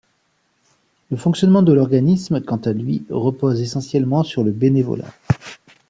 Le fonctionnement de l'organisme, quant à lui, repose essentiellement sur le bénévolat.